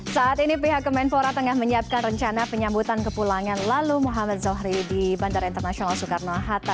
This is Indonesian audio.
saat ini pihak kemenpora tengah menyiapkan rencana penyambutan kepulangan lalu muhammad zohri di bandara internasional soekarno hatta